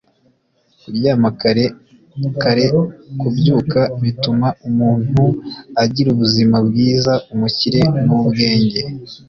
Kuryama kare kare kubyuka bituma umuntu agira ubuzima bwiza umukire nubwenge